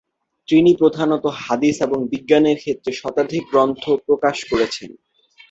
তিনি প্রধানত হাদীস এবং বিজ্ঞানের ক্ষেত্রে শতাধিক গ্রন্থ প্রকাশ করেছেন।